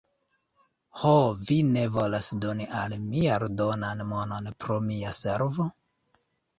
"Ho, vi ne volas doni al mi aldonan monon pro mia servo?"